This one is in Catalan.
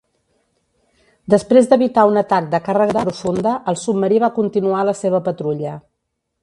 Després d'evitar un atac de càrrega profunda, el submarí va continuar la seva patrulla.